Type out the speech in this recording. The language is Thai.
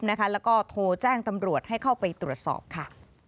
แล้วก็โทรแจ้งตำรวจให้เข้าไปตรวจสอบค่ะ